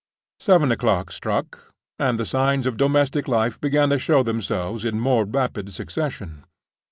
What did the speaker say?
Seven o'clock struck; and the signs of domestic life began to show themselves in more rapid succession.